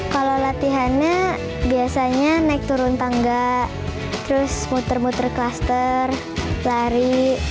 kalau latihannya biasanya naik turun tangga terus muter muter klaster lari